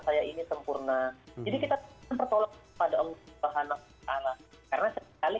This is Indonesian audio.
saya ini sempurna jadi kita hiding pertolongan kepada allah subhanahu wa ta'ala karena sekali